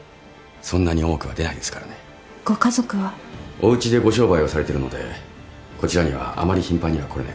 おうちでご商売をされてるのでこちらにはあまり頻繁には来れないかと。